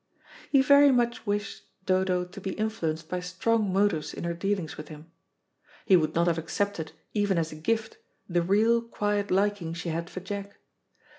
He very much wished Dodo to be influenced by strong motives in her dealings with him. He would not have accepted, even as a gift, the real, quiet liking she had for Jack.